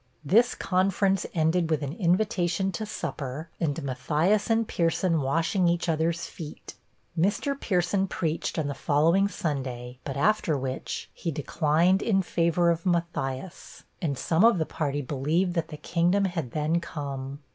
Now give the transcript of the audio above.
This conference ended with an invitation to supper, and Matthias and Pierson washing each other's feet. Mr. Pierson preached on the following Sunday, but after which, he declined in favor of Matthias, and some of the party believed that the 'kingdom had then come.'